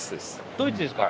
ドイツですか。